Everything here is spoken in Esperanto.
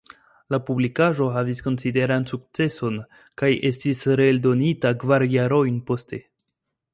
La publikaĵo havis konsiderindan sukceson kaj estis reeldonita kvar jarojn poste.